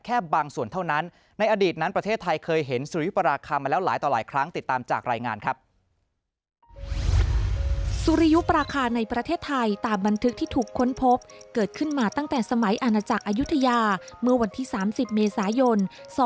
ขึ้นมาตั้งแต่สมัยอาณาจักรอายุทยาเมื่อวันที่๓๐เมษายนสองพันสองร้อยสามสิบเอ็ด